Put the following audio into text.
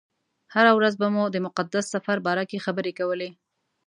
هره ورځ به مو د مقدس سفر باره کې خبرې کولې.